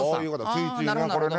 ついついね